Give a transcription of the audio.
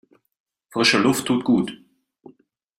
Frische Luft tut gut.